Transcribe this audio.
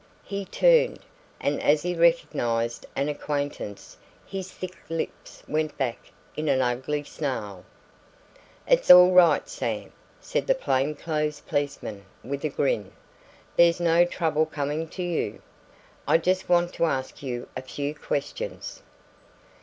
He turned, and as he recognised an acquaintance, his thick lips went back in an ugly snarl. "It's all right, Sam," said the plain clothes policeman with a grin. "There's no trouble coming to you. I just want to ask you a few questions."